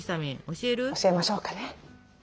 教えましょうかね。